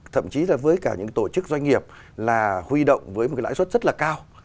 thậm chí là với cả những tổ chức doanh nghiệp là huy động với một cái lãi suất rất là cao